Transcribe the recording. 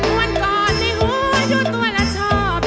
นวดกอดในหัวดูตัวละชอบ